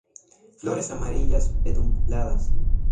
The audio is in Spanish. Flores amarillas pedunculadas.